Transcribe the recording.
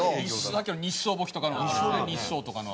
さっきの日商簿記とかの日商とかの。